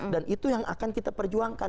dan itu yang akan kita perjuangkan